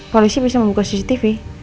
polisi bisa membuka cctv